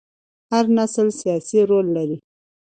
هر نسل سیاسي رول لري